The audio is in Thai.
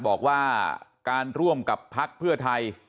บอกว่าการร่วมกับพักเพื่อไทย